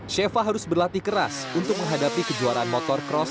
sheva harus berlatih keras untuk menghadapi kejuaraan motorcross